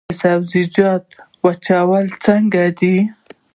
د سبزیجاتو وچول څنګه دي؟